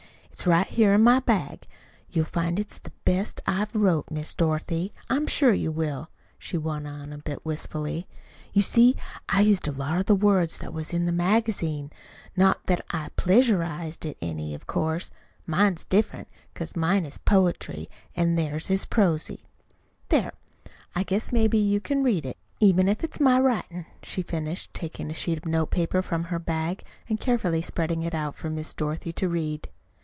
It's right here in my bag. You'll find it's the best I've wrote, Miss Dorothy; I'm sure you will," she went on a bit wistfully. "You see I used a lot of the words that was in the magazine not that I pleasurized it any, of course. Mine's different, 'cause mine is poetry an' theirs is prosy. There! I guess maybe you can read it, even if't is my writin'," she finished, taking a sheet of note paper from her bag and carefully spreading it out for Miss Dorothy to read.